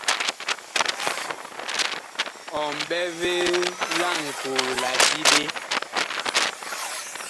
Ɔ mɓɛ vee laŋkoo la diɓe?